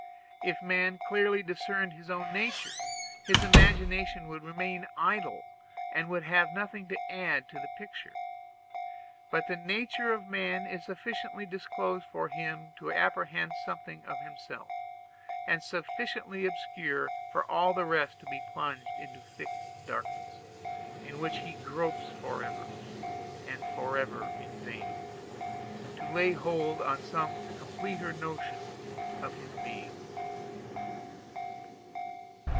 If man clearly discerned his own nature, his imagination would remain idle, and would have nothing to add to the picture. But the nature of man is sufficiently disclosed for him to apprehend something of himself; and sufficiently obscure for all the rest to be plunged in thick darkness, in which he gropes forever and forever in vain to lay hold on some completer notion of his being.